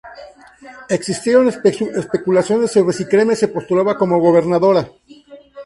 Existieron especulaciones sobre si Cremer se postulaba como gobernadora.